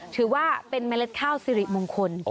ถือว่าเป็นเมล็ดข้าวสิริมงคล